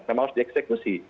memang harus dieksekusi